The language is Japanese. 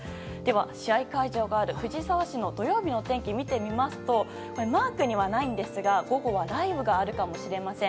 試合会場がある藤沢市の土曜日の天気を見てみますとマークにはないんですが午後は雷雨があるかもしれません。